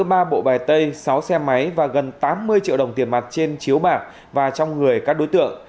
ba bộ bài tay sáu xe máy và gần tám mươi triệu đồng tiền mặt trên chiếu bạc và trong người các đối tượng